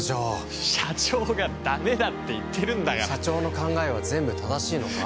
城社長がダメだって言ってるんだから社長の考えは全部正しいのか？